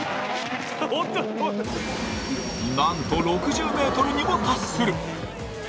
なんと、６０ｍにも達する。